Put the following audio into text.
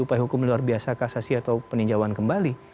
upaya hukum luar biasa kasasi atau peninjauan kembali